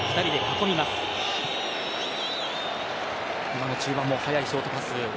今の中盤の速いショートパス。